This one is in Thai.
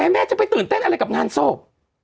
แม่จะไปตื่นเต้นอะไรกับงานศพ